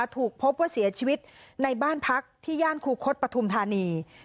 ถูกพบว่าเสียชีวิตในบ้านพักที่ย่านคูคศปฐุมธานี